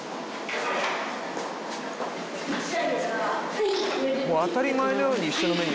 はい。